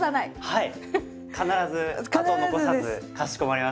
はい。